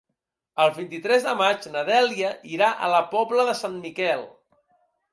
El vint-i-tres de maig na Dèlia irà a la Pobla de Sant Miquel.